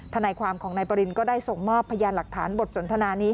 ทนายความของนายปรินก็ได้ส่งมอบพยานหลักฐานบทสนทนานี้